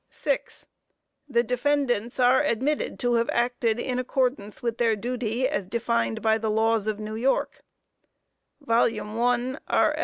6. The defendants are admitted to have acted in accordance with their duty as defined by the laws of New York (_1 R.